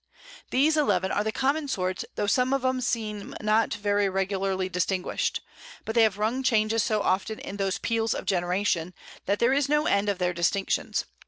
These 11 are the common Sorts, tho' some of 'em seem not very regularly distinguish'd: But they have rung Changes so often in those Peals of Generation, that there is no End of their Distinctions.